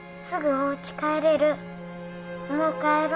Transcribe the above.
もう帰ろう。